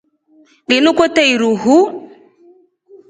Lunu kwete iruhuL.